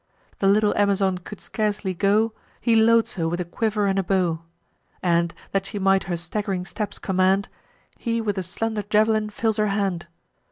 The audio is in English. The little Amazon could scarcely go: He loads her with a quiver and a bow; And, that she might her stagg'ring steps command, He with a slender jav'lin fills her hand.